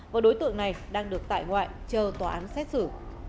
và đối tượng này đang được tại ngoại chờ tòa án xét xử